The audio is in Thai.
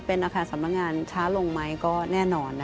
เป็นอาคารสำนักงานช้าลงไหมก็แน่นอน